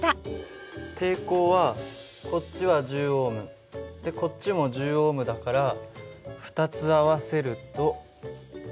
抵抗はこっちは１０Ωこっちも１０Ωだから２つ合わせると。